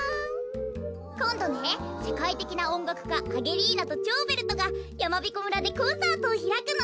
こんどねせかいてきなおんがくかアゲリーナとチョーベルトがやまびこ村でコンサートをひらくの！